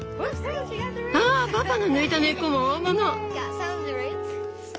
ああパパの抜いた根っこも大物。